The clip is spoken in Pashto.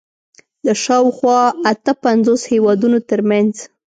د شاوخوا اته پنځوس هېوادونو تر منځ